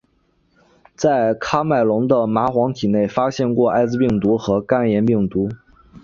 在喀麦隆的蚂蟥体内发现过艾滋病毒和肝炎病毒。